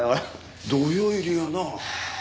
土俵入りがな。